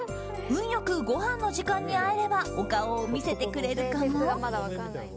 運良くごはんの時間に会えればお顔を見せてくれるかも。